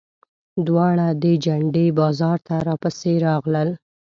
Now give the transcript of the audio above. دواړه د جنډې بازار ته راپسې راغلل.